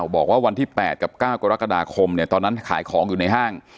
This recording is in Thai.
วันที่๘กับ๙กรกฎาคมตอนนั้นขายของอยู่ในห้าง